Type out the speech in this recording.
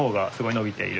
伸びてる？